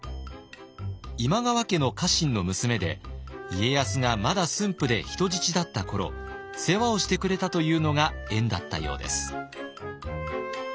今川家の家臣の娘で家康がまだ駿府で人質だった頃世話をしてくれたというのが縁だったようです。